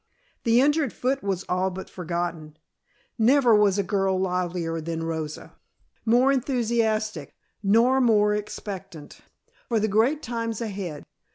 The injured foot was all but forgotten. Never was a girl livelier than Rosa, more enthusiastic nor more expectant for the great times ahead.